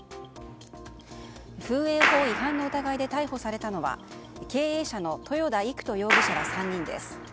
風営法違反の疑いで逮捕されたのは経営者の豊田郁斗容疑者ら３人です。